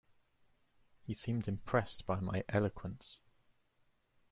He seemed impressed by my eloquence.